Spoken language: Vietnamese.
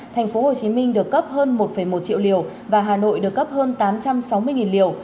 tp hcm được cấp hơn một một triệu liều và hà nội được cấp hơn tám trăm sáu mươi liều